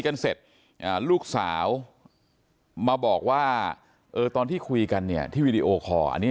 กันเสร็จลูกสาวมาบอกว่าตอนที่คุยกันเนี่ยที่วีดีโอคอร์อันนี้